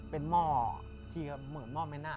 เป็นหม้อเหมือนหม้อแม่หน้า